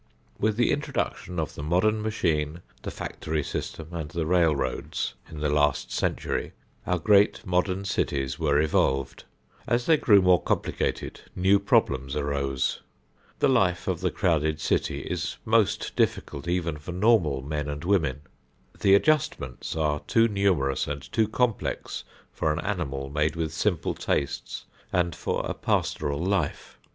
With the introduction of the modern machine, the factory system and the railroads, in the last century, our great modern cities were evolved. As they grew more complicated, new problems arose. The life of the crowded city is most difficult even for normal men and women. The adjustments are too numerous and too complex for an animal made with simple tastes and for a pastoral life.